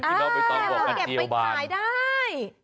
อ้าวเราก็เก็บไปขายได้